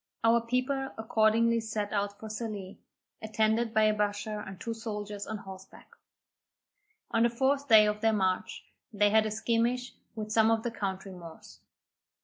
Our people accordingly set out for Sallee, attended by a bashaw and two soldiers on horseback. On the fourth day of their march, they had a skirmish with some of the country Moors.